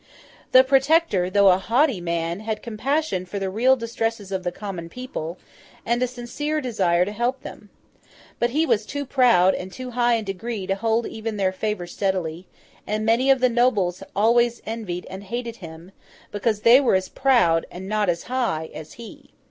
The Protector, though a haughty man, had compassion for the real distresses of the common people, and a sincere desire to help them. But he was too proud and too high in degree to hold even their favour steadily; and many of the nobles always envied and hated him, because they were as proud and not as high as he.